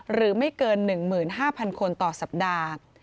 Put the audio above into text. หรือไม่เกิน๑๕๐๐คนต่อสัปดาห์